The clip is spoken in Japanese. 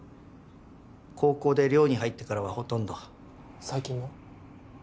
高校で寮に入ってからはほとんど最近も？